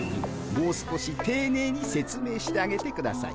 もう少していねいに説明してあげてください。